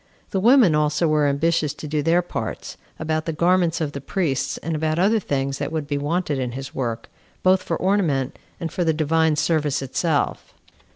The women also were ambitious to do their parts, about the garments of the priests, and about other things that would be wanted in this work, both for ornament and for the divine service itself.